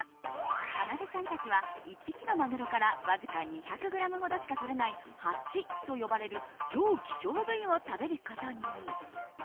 かなでちゃんたちは１匹のマグロからわずか２００ｇほどしかとれないハチと呼ばれる超希少部位を食べることに。